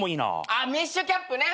あメッシュキャップね。